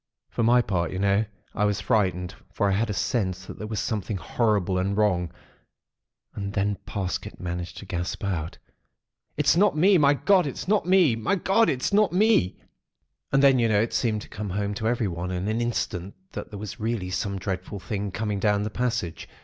"For my part, you know, I was frightened; for I had a sense that there was something horrible and wrong. And then Parsket managed to gasp out:— "'It's not me! My God! It's not me! My God! It's not me.' "And then, you know, it seemed to come home to everyone in an instant that there was really some dreadful thing coming down the passage.